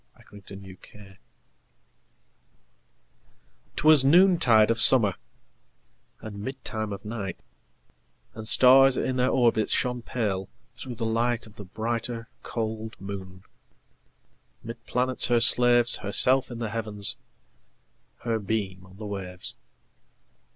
1827 Evening Star 'Twas noontide of summer, And midtime of night, And stars, in their orbits, Shone pale, through the light Of the brighter, cold moon. 'Mid planets her slaves, Herself in the Heavens, Her beam on the waves.